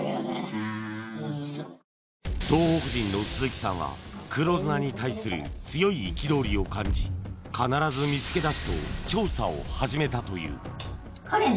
うん東北人の鈴木さんは黒ズナに対する強い憤りを感じと調査を始めたという